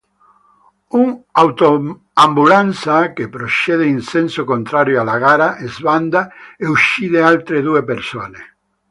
Un'autoambulanza che procede in senso contrario alla gara sbanda e uccide altre due persone.